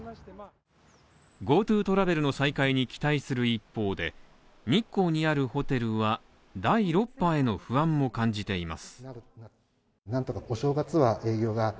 ＧｏＴｏトラベルの再開に期待する一方で、日光にあるホテルは、第６波への不安も感じています